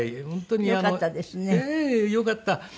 よかった。